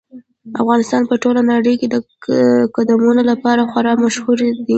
افغانستان په ټوله نړۍ کې د قومونه لپاره خورا مشهور دی.